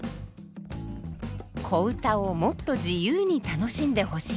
小唄をもっと自由に楽しんでほしい。